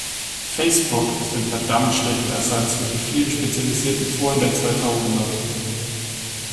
Facebook ist ein verdammt schlechter Ersatz für die vielen spezialisierten Foren der zweitausender.